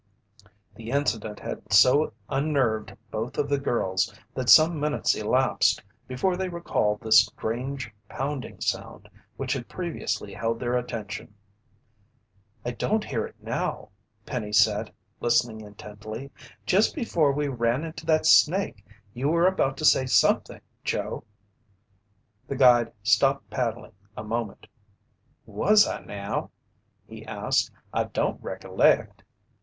The incident had so unnerved both of the girls, that some minutes elapsed before they recalled the strange pounding sound which had previously held their attention. "I don't hear it now," Penny said, listening intently. "Just before we ran into that snake, you were about to say something, Joe." The guide stopped paddling a moment. "Was I now?" he asked. "I don't recollect."